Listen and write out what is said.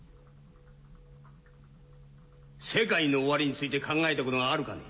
世界の終わりについて考えたことがあるかね？